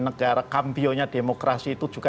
negara kambionya demokrasi itu juga